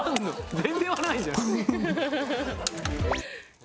全然割れないじゃん。